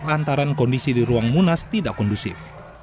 lantaran kondisi di ruang munas tidak kondusif